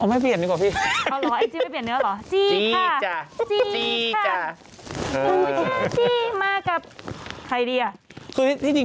ไม่เปลี่ยนดีกว่าพี่